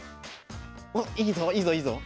おっいいぞいいぞいいぞ！